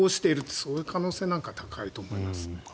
そういう可能性が高いと思いますね。